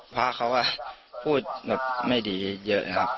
พระเขาก็พูดแบบไม่ดีเยอะนะครับ